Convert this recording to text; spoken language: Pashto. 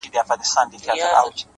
• چي قاتل هجوم د خلکو وو لیدلی,